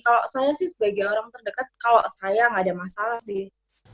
kalau saya sih sebagai orang terdekat kalau saya nggak ada masalah sih